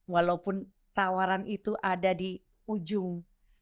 walaupun tawaran itu ada di ujung